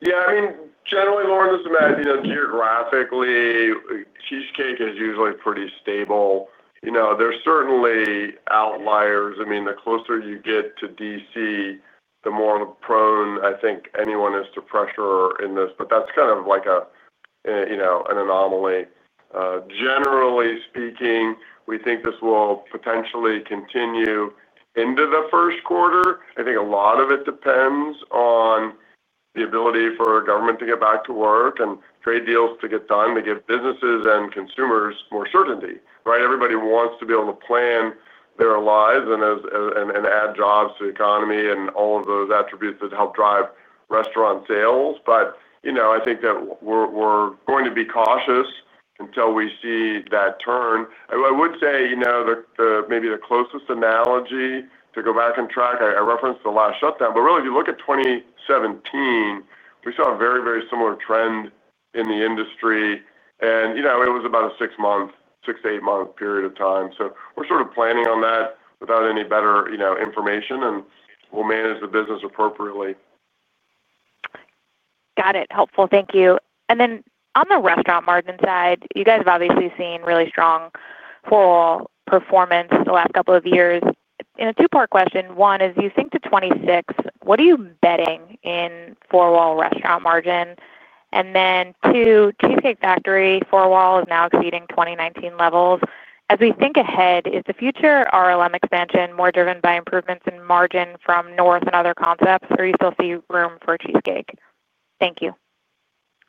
Yeah. I mean, generally, Lauren, this is Matt. You know, geographically, Cheesecake is usually pretty stable. There's certainly outliers. I mean, the closer you get to D.C., the more prone, I think, anyone is to pressure in this. That's kind of like an anomaly. Generally speaking, we think this will potentially continue into the first quarter. I think a lot of it depends on the ability for government to get back to work and trade deals to get done to give businesses and consumers more certainty, right? Everybody wants to be able to plan their lives and add jobs to the economy and all of those attributes that help drive restaurant sales. I think that we're going to be cautious until we see that turn. I would say maybe the closest analogy to go back on track, I referenced the last shutdown. Really, if you look at 2017, we saw a very, very similar trend in the industry. It was about a six-to-eight-month period of time. We're sort of planning on that without any better information, and we'll manage the business appropriately. Got it. Helpful. Thank you. On the restaurant margin side, you guys have obviously seen really strong four-wall performance the last couple of years. In a two-part question, one is, you think to 2026, what are you betting in four-wall restaurant margin? Cheesecake Factory four-wall is now exceeding 2019 levels. As we think ahead, is the future restaurant-level margin expansion more driven by improvements in margin from North Italia and other concepts, or do you still see room for Cheesecake? Thank you.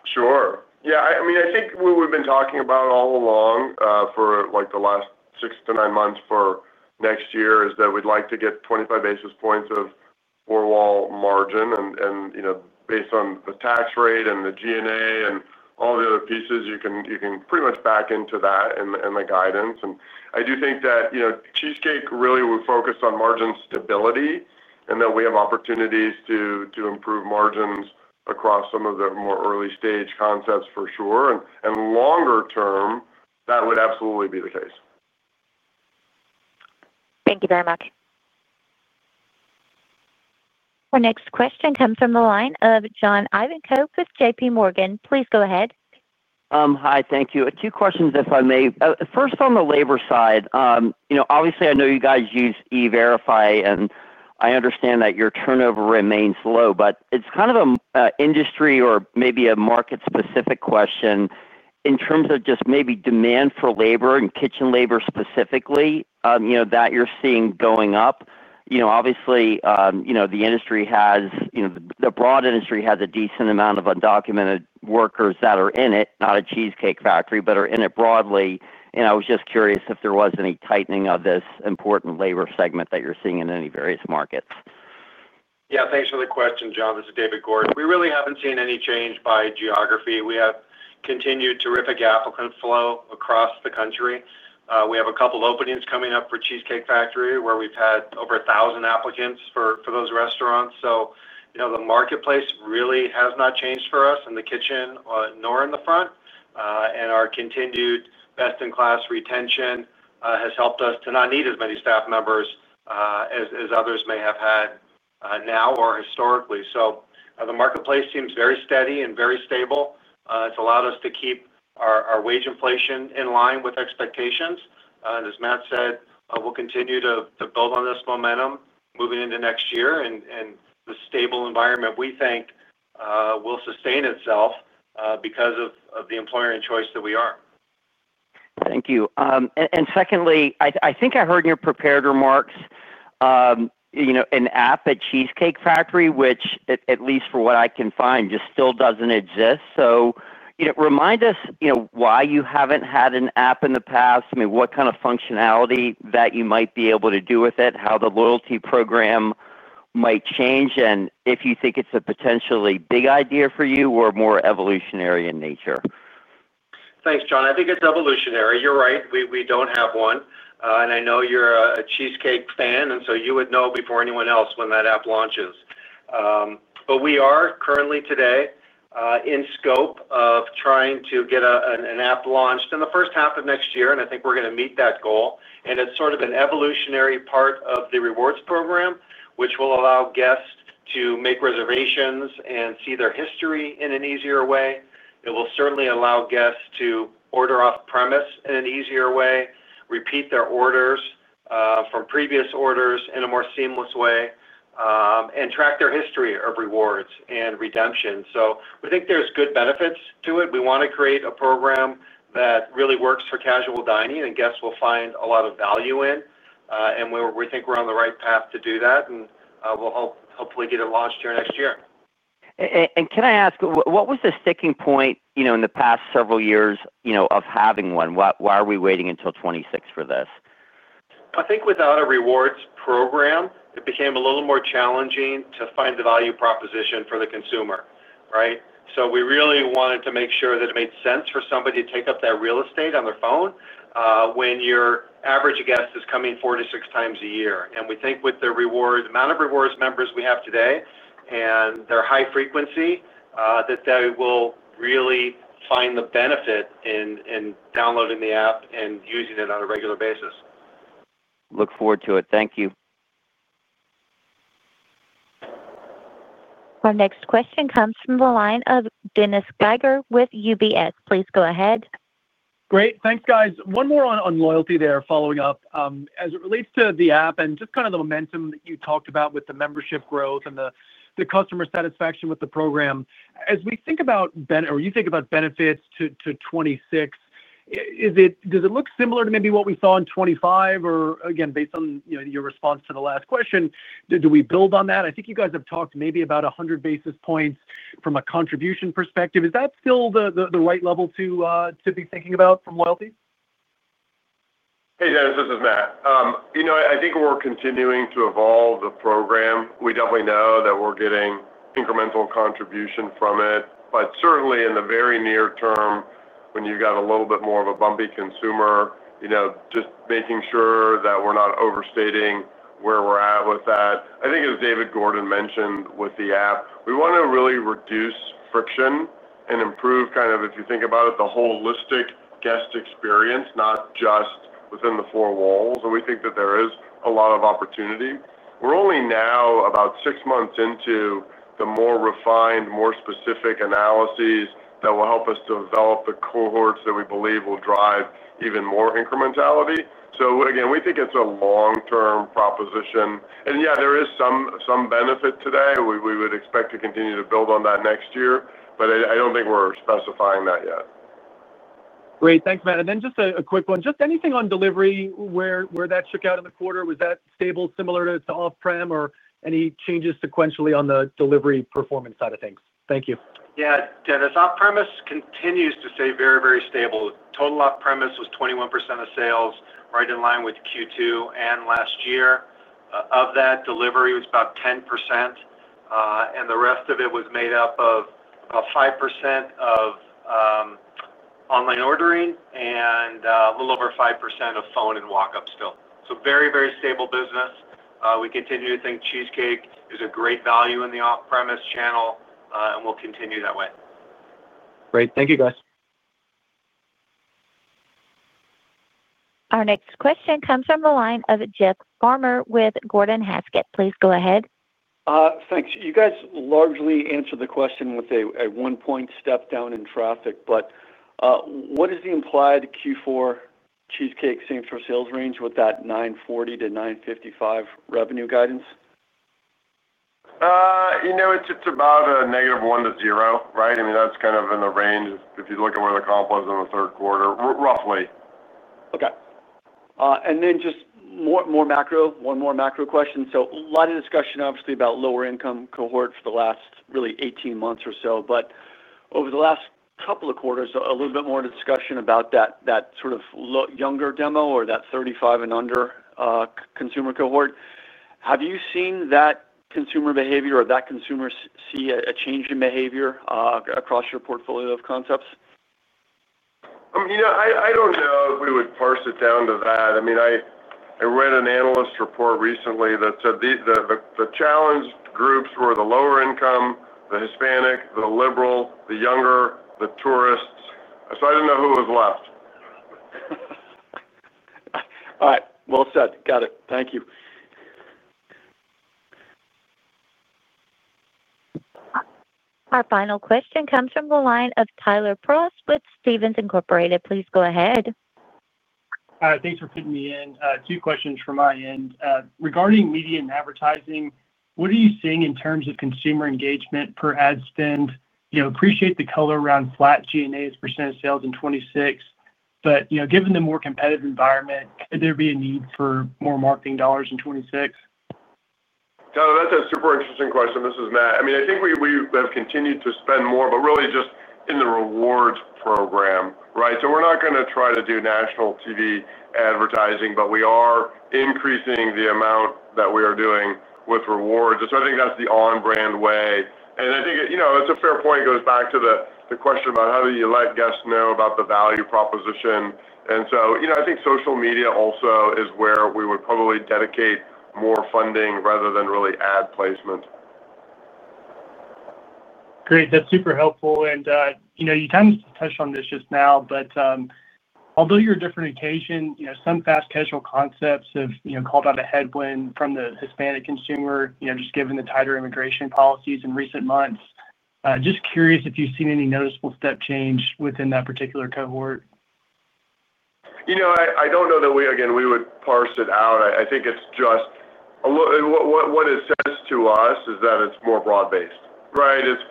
Sure. I mean, I think what we've been talking about all along for the last six to nine months for next year is that we'd like to get 25 basis points of four-wall margin. You know, based on the tax rate and the G&A and all the other pieces, you can pretty much back into that in the guidance. I do think that The Cheesecake Factory really would focus on margin stability and that we have opportunities to improve margins across some of the more early-stage concepts for sure. Longer term, that would absolutely be the case. Thank you very much. Our next question comes from the line of John Ivanko with JPMorgan. Please go ahead. Hi. Thank you. Two questions, if I may. First on the labor side. You know, obviously, I know you guys use E-Verify, and I understand that your turnover remains low. It's kind of an industry or maybe a market-specific question in terms of just maybe demand for labor and kitchen labor specifically, you know, that you're seeing going up. Obviously, the industry has, you know, the broad industry has a decent amount of undocumented workers that are in it, not at The Cheesecake Factory, but are in it broadly. I was just curious if there was any tightening of this important labor segment that you're seeing in any various markets. Yeah. Thanks for the question, John. This is David Gordon. We really haven't seen any change by geography. We have continued terrific applicant flow across the country. We have a couple of openings coming up for The Cheesecake Factory where we've had over 1,000 applicants for those restaurants. You know, the marketplace really has not changed for us in the kitchen, nor in the front. Our continued best-in-class retention has helped us to not need as many staff members as others may have had, now or historically. The marketplace seems very steady and very stable. It's allowed us to keep our wage inflation in line with expectations. As Matt said, we'll continue to build on this momentum moving into next year. The stable environment, we think, will sustain itself because of the employer in choice that we are. Thank you. Secondly, I think I heard in your prepared remarks, you know, an app at The Cheesecake Factory, which at least for what I can find, just still doesn't exist. Remind us, you know, why you haven't had an app in the past. I mean, what kind of functionality that you might be able to do with it, how the loyalty program might change, and if you think it's a potentially big idea for you or more evolutionary in nature. Thanks, John. I think it's evolutionary. You're right. We don't have one, and I know you're a Cheesecake fan, and you would know before anyone else when that app launches. We are currently today in scope of trying to get an app launched in the first half of next year. I think we're going to meet that goal. It's sort of an evolutionary part of the rewards program, which will allow guests to make reservations and see their history in an easier way. It will certainly allow guests to order off-premise in an easier way, repeat their orders from previous orders in a more seamless way, and track their history of rewards and redemption. We think there's good benefits to it. We want to create a program that really works for casual dining and guests will find a lot of value in, and we think we're on the right path to do that. We'll hopefully get it launched here next year. What was the sticking point in the past several years of having one? Why are we waiting until 2026 for this? I think without a rewards program, it became a little more challenging to find the value proposition for the consumer, right? We really wanted to make sure that it made sense for somebody to take up that real estate on their phone, when your average guest is coming four to six times a year. We think with the amount of rewards members we have today and their high frequency, that they will really find the benefit in downloading the app and using it on a regular basis. Look forward to it. Thank you. Our next question comes from the line of Dennis Geiger with UBS. Please go ahead. Great. Thanks, guys. One more on loyalty there following up. As it relates to the app and just kind of the momentum that you talked about with the membership growth and the customer satisfaction with the program, as we think about, or you think about benefits to 2026, does it look similar to maybe what we saw in 2025? Or again, based on your response to the last question, do we build on that? I think you guys have talked maybe about 100 basis points from a contribution perspective. Is that still the right level to be thinking about from loyalty? Hey, Dennis. This is Matt. I think we're continuing to evolve the program. We definitely know that we're getting incremental contribution from it. Certainly, in the very near term, when you've got a little bit more of a bumpy consumer, just making sure that we're not overstating where we're at with that. I think, as David Gordon mentioned with the app, we want to really reduce friction and improve, if you think about it, the holistic guest experience, not just within the four walls. We think that there is a lot of opportunity. We're only now about six months into the more refined, more specific analyses that will help us develop the cohorts that we believe will drive even more incrementality. We think it's a long-term proposition. There is some benefit today. We would expect to continue to build on that next year, but I don't think we're specifying that yet. Great. Thanks, Matt. Just a quick one. Anything on delivery, where that shook out in the quarter? Was that stable, similar to off-prem, or any changes sequentially on the delivery performance side of things? Thank you. Yeah, Dennis. Off-premise continues to stay very, very stable. Total off-premise was 21% of sales, right in line with Q2 and last year. Of that, delivery was about 10%, and the rest of it was made up of about 5% of online ordering and a little over 5% of phone and walk-up still. Very, very stable business. We continue to think cheesecake is a great value in the off-premise channel, and we'll continue that way. Great. Thank you, guys. Our next question comes from the line of Jeff Farmer with Gordon Haskett. Please go ahead. Thanks. You guys largely answered the question with a one-point step down in traffic. What is the implied Q4 Cheesecake same-store sales range with that $940-$955 revenue guidance? It's about a -1 to 0, right? I mean, that's kind of in the range if you look at where the comp was in the third quarter, roughly. Okay. One more macro question. A lot of discussion, obviously, about lower-income cohort for the last really 18 months or so. Over the last couple of quarters, a little bit more discussion about that sort of younger demo or that 35 and under consumer cohort. Have you seen that consumer behavior or that consumer see a change in behavior across your portfolio of concepts? I mean, you know, I don't know if we would parse it down to that. I mean, I read an analyst report recently that said the challenge groups were the lower income, the Hispanic, the liberal, the younger, the tourists. I didn't know who was left. All right. Got it. Thank you. Our final question comes from the line of Tyler Prause with Stephens. Please go ahead. All right. Thanks for putting me in. Two questions from my end. Regarding media and advertising, what are you seeing in terms of consumer engagement per ad spend? I appreciate the color around flat G&A as percent of sales in 2026, but given the more competitive environment, could there be a need for more marketing dollars in 2026? Yeah. That's a super interesting question. This is Matt. I think we have continued to spend more, but really just in the rewards program, right? We are not going to try to do national TV advertising, but we are increasing the amount that we are doing with rewards. I think that's the on-brand way. I think it's a fair point. It goes back to the question about how do you let guests know about the value proposition. I think social media also is where we would probably dedicate more funding rather than really ad placement. Great. That's super helpful. You kind of touched on this just now, but although you're a different occasion, some fast casual concepts have called out a headwind from the Hispanic consumer, given the tighter immigration policies in recent months. Just curious if you've seen any noticeable step change within that particular cohort. I don't know that we, again, we would parse it out. I think it's just a little what it says to us is that it's more broad-based, right? It's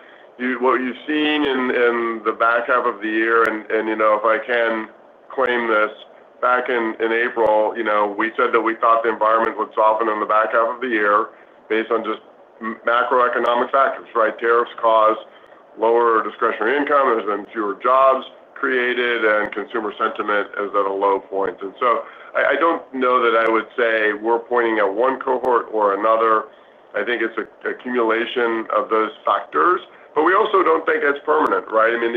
what you've seen in the back half of the year. You know, if I can claim this, back in April, we said that we thought the environment would soften in the back half of the year based on just macroeconomic factors, right? Tariffs caused lower discretionary income. There's been fewer jobs created, and consumer sentiment is at a low point. I don't know that I would say we're pointing at one cohort or another. I think it's an accumulation of those factors. We also don't think it's permanent, right? I mean,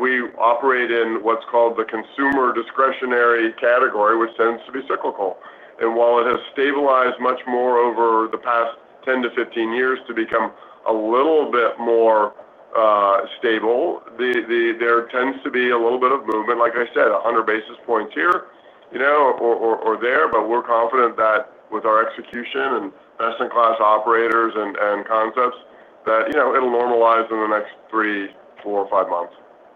we operate in what's called the consumer discretionary category, which tends to be cyclical. While it has stabilized much more over the past 10 years-15 years to become a little bit more stable, there tends to be a little bit of movement, like I said, 100 basis points here or there. We're confident that with our execution and best-in-class operators and concepts, it'll normalize in the next three, four, or five months.